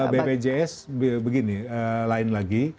bpjs begini lain lagi